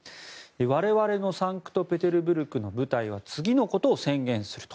我々のサンクトペテルブルクの部隊は次のことを宣言すると。